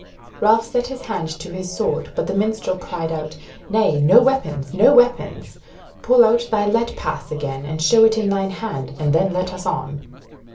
Ralph set his hand to his sword, but the minstrel cried out, "Nay, no weapons, no weapons! Pull out thy let pass again and show it in thine hand, and then let us on."